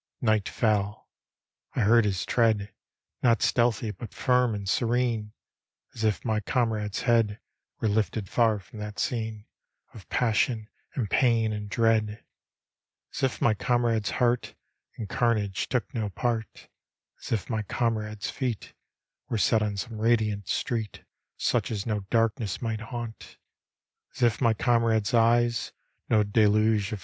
Night fell. I heard his tread, Not stealthy, but finn and serene, As if my comrade's head Were lifted far from that scene Of passion and pain and dread; As if my comrade's heart In carnage took no part; As if my comrade's feet Were set on some radiant street Such as no darkness might haunt; As if my comrade's eyes No deluge of